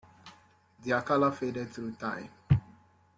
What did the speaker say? Their color faded through time.